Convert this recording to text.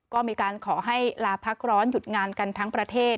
ก็มีการขอให้ลาพักร้อนหยุดงานกันทั้งประเทศ